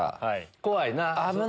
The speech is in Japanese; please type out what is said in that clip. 怖いな。